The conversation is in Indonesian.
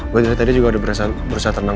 gue tadi juga udah berusaha tenang